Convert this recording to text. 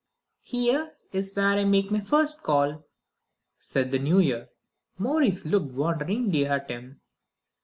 "Here is where I make my first call," said the New Year. Maurice looked wonderingly at him.